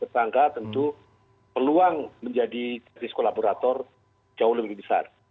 tentu peluang menjadi justice collaborator jauh lebih besar